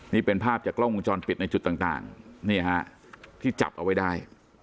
นี่เป็นภาพจากกล้องวงจรปิดในจุดต่างนี่ฮะที่จับเอาไว้ได้